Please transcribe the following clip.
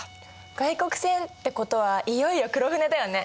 外国船ってことはいよいよ黒船だよね。